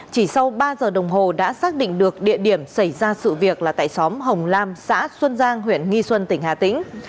chỉ sau ba giờ đồng hồ đã xác định được địa điểm xảy ra sự việc là tại xóm hồng lam xã xuân giang huyện nghi xuân tỉnh hà tĩnh